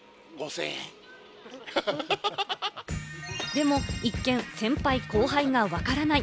でも一見、先輩・後輩がわからない。